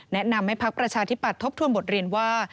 แนะนำให้พักประชาธิปัตย์ทบทวนบทเรียนว่า